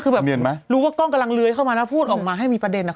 คือแบบรู้ว่าก็กล้องกำลังเลื้อยเค้ามาแล้วพูดออกมาให้มีประเด็น